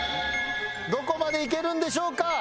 どこまでいけるんでしょうか？